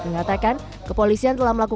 mengatakan kepolisian telah mengembangkan